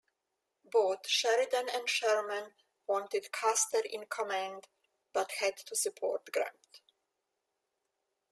Both Sheridan and Sherman wanted Custer in command but had to support Grant.